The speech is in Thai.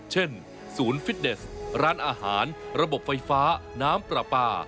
เช่นศูนย์ฟิตเนสร้านอาหารระบบไฟฟ้าน้ำปลาปลา